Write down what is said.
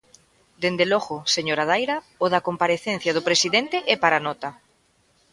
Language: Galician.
Dende logo, señora Daira, o da comparecencia do presidente é para nota.